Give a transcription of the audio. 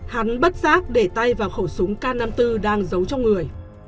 hắn bất giác để tay vào khẩu súng k năm mươi bốn đang giấu trong người